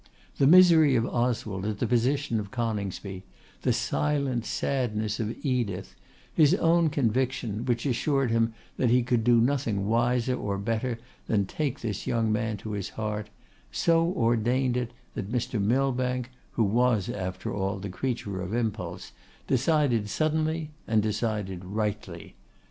The misery of Oswald at the position of Coningsby, the silent sadness of Edith, his own conviction, which assured him that he could do nothing wiser or better than take this young man to his heart, so ordained it that Mr. Millbank, who was after all the creature of impulse, decided suddenly, and decided rightly.